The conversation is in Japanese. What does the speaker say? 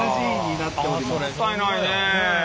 もったいないね。